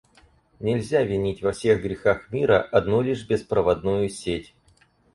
Нельзя винить во всех грехах мира одну лишь беспроводную сеть.